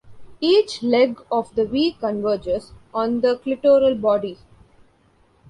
Each "leg" of the "V" converges on the clitoral body.